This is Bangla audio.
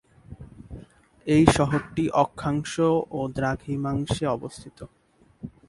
এই শহরটি অক্ষাংশ ও দ্রাঘিমাংশে অবস্থিত।